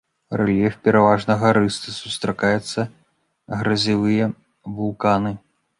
Рэльеф пераважна гарысты, сустракаюцца гразевыя вулканы.